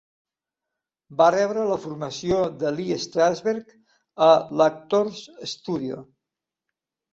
Va rebre la formació de Lee Strasberg a l'Actors Studio.